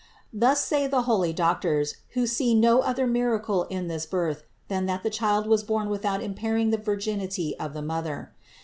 Thus say the holy doc tors, who see no other miracle in this Birth than that the Child was born without impairing the virginity of the Mother.